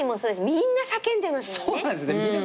みんな叫んでますもんね。